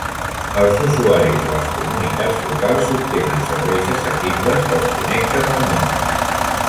Els usuaris de les comunitats locals obtenen serveis assequibles que els connecten al món.